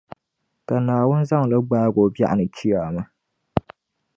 ka Naawuni zaŋ li gbaagi o biɛɣuni Chiyaama.